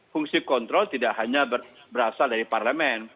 fungsi kontrol tidak hanya berasal dari parlemen